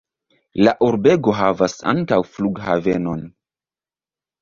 La urbego havas ankaŭ flughavenon.